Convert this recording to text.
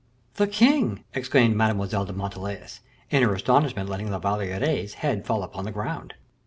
"The king!" exclaimed Mademoiselle de Montalais, in her astonishment, letting La Valliere's head fall upon the ground.